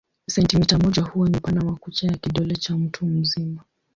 Sentimita moja huwa ni upana wa kucha ya kidole cha mtu mzima.